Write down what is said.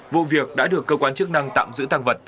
vụ việc đã được cơ quan chức năng tạm giữ tăng vật